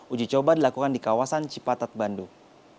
uji coba dilakukan di kawasan cipatat bandung